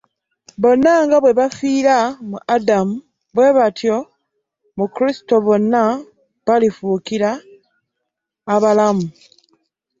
Bonna nga bwe baafiira mu Adamu, bwe batyo mu Kristo bonna mwe balifuukira abalamu.